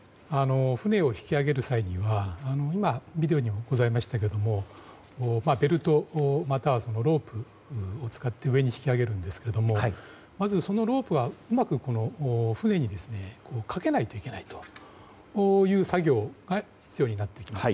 船を引き揚げる際には今、ビデオにもございましたがベルト、またはロープを使って上に引き揚げるんですけれどもまずそのロープをうまく船にかけないといけないという作業が必要になります。